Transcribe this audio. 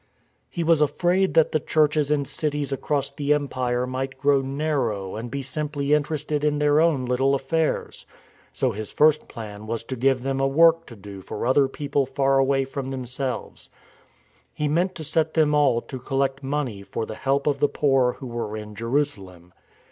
He was afraid that the churches in cities across the Empire might grow narrow and be simply interested in their own little affairs. So his first plan was to give them a work to do for other people far away from themselves. He meant to set them all to collect money for the help of the poor who were in Jerusalem.